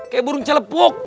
kayak burung celebuk